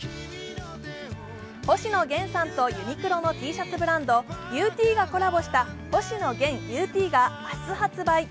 星野源さんとユニクロのＴシャツブランドＵＴがコラボした星野源ＵＴが明日発売。